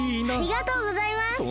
ありがとうございます。